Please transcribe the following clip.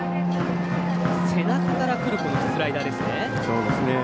背中からくるスライダーですね。